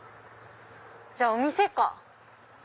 じゃあお店か。